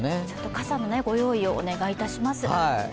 傘のご用意をお願いいたします。